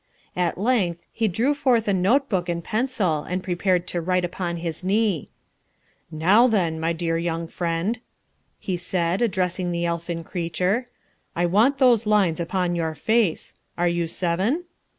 At length he drew forth a note book and pencil and prepared to write upon his knee. "Now then, my dear young friend," he said, addressing the elfin creature, "I want those lines upon your face. Are you seven?"